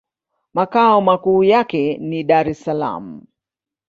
Makao makuu yake ni Dar-es-Salaam.